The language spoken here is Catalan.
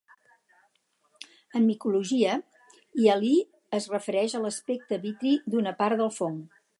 En micologia, hialí es refereix a l'aspecte vitri d'una part del fong.